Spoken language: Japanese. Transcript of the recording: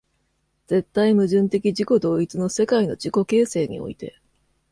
絶対矛盾的自己同一の世界の自己形成において、